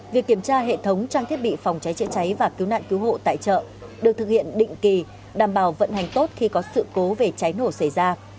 việc kiểm tra hệ thống trang thiết bị phòng cháy chữa cháy và cứu nạn cứu hộ tại chợ được thực hiện định kỳ đảm bảo vận hành tốt khi có sự cố về cháy nổ xảy ra